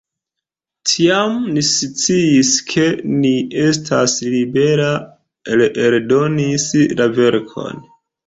Tiam ni sciis ke ni estas liberaj reeldoni la verkon.